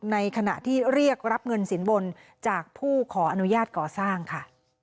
ในขณะที่เรียกรับเงินสินบนจากผู้ขออนุญาตก่อสร้างค่ะ